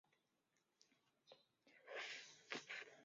隆庆二年戊辰科第三甲第九十四名进士。